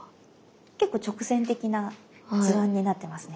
結構直線的な図案になってますね。